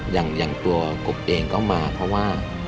อย่างตัวกบเองก็มาเพราะว่า